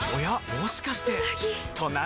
もしかしてうなぎ！